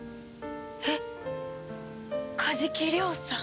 えっ加治木涼さん？